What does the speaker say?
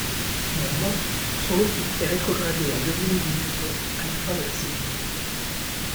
Néanmoins, son équipe est rétrogradée en deuxième division à la fin de la saison.